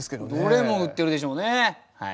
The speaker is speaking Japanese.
どれも売ってるでしょうね。